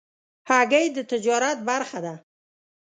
هګۍ د تجارت برخه ده.